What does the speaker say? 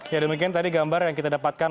ya demikian tadi gambar yang kita dapatkan